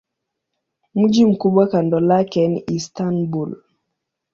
Mji mkubwa kando lake ni Istanbul.